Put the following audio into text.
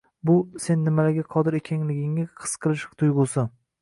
Bu — sen nimalarga qodir ekanligingni his qilish tuyg‘usi.